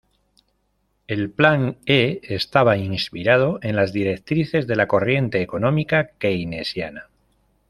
El Plan E estaba inspirado en las directrices de la corriente económica keynesiana.